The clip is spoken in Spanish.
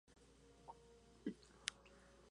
Un pequeño grupo compró entradas y accedió al salón.